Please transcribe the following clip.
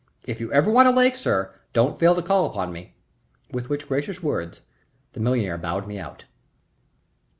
If you ever want a lake, sir, don't fail to call upon me." With which gracious words the millionaire bowed me out.